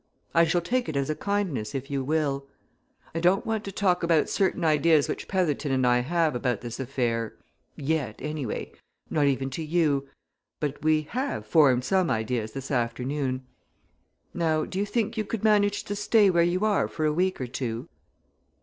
"I shall take it as a kindness if you will. I don't want to talk about certain ideas which Petherton and I have about this affair, yet, anyway not even to you but we have formed some ideas this afternoon. Now, do you think you could manage to stay where you are for a week or two?"